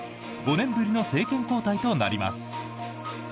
５年ぶりの政権交代となります。